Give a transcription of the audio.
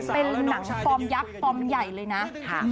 เป็นหนังฟอร์มยักษ์ฟอร์มใหญ่เลยนะ